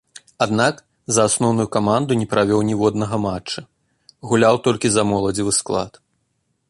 Аднак, за асноўную каманду не правёў ніводнага матча, гуляў толькі за моладзевы склад.